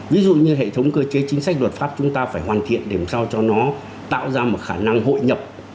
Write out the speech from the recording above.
ví dụ như hệ thống cơ chế chính sách luật pháp chúng ta phải hoàn thiện để làm sao cho nó tạo ra một khả năng hội nhập